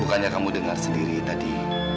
bukannya kamu dengar sendiri tadi